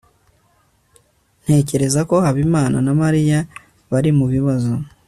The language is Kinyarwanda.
ntekereza ko habimana na mariya bari mubibazo